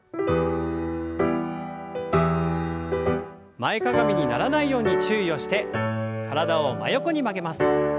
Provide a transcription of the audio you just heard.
前かがみにならないように注意をして体を真横に曲げます。